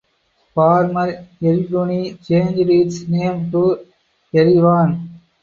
Former Erebuni changed its name to Yerevan.